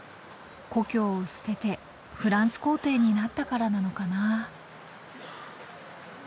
故郷を捨ててフランス皇帝になったからなのかな。